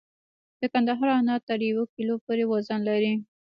د کندهار انار تر یو کیلو پورې وزن لري.